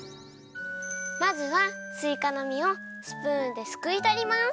まずはすいかのみをスプーンですくいとります。